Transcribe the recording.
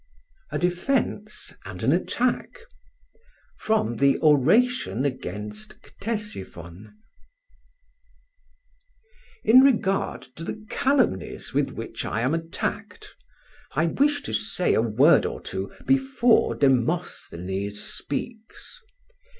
A DEFENSE AND AN ATTACK From the 'Oration against Ctesiphon' In regard to the calumnies with which I am attacked, I wish to say a word or two before Demosthenes speaks.